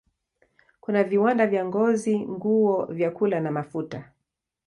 Kuna viwanda vya ngozi, nguo, vyakula na mafuta.